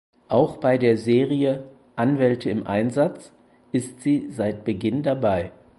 Auch bei der Serie "Anwälte im Einsatz" ist sie seit Beginn dabei.